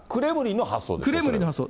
クレムリンの発想。